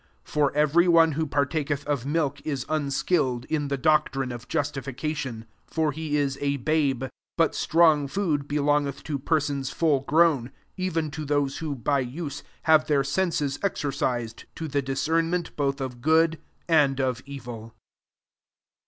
13 For every one wko partaketh of milk is unskilled in the doctrine of justificatioa: for he is a babe : 14 but strong food belongeth to persons full grown, even to those^who, bf use, have their senses exercised to the discernment both of good and of evil.